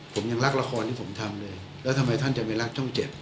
ผมยังรักละครที่ผมทำเลยแล้วทำไมท่านจะไม่รักช่องเจ็ด